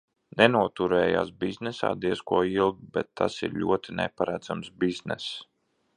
Nenoturējās biznesā diez ko ilgi, bet tas ir ļoti neparedzams bizness.